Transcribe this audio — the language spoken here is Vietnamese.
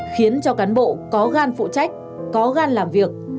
khiến cho cán bộ có gan phụ trách có gan làm việc